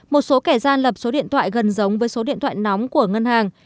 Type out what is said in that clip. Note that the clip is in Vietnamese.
một số kẻ gian lập số điện thoại gần giống với số điện thoại nóng của ngân hàng